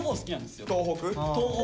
東北？